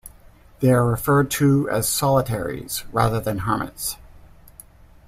They are referred to as "solitaries" rather than "hermits".